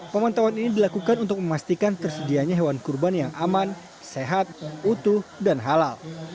pemantauan ini dilakukan untuk memastikan tersedianya hewan kurban yang aman sehat utuh dan halal